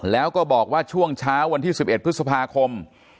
แล้วก็บอกว่าช่วงเช้าวันที่๑๑พฤษภาคม